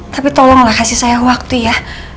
tapi tolonglah kasih saya waktu ya